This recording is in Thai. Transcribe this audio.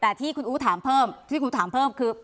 แต่ที่คุณอู๋ถามเพิ่มที่คุณถามเพิ่มคือ